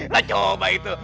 nah coba itu